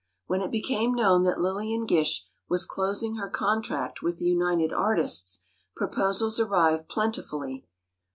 When it became known that Lillian Gish was closing her contract with the United Artists, proposals arrived plentifully.